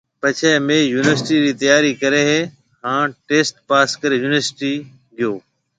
پچي مهيَ يونِيورسٽِي رِي تيارِي ڪِي هانَ ٽسٽ پاس ڪري يونِيورسٽِي گيو۔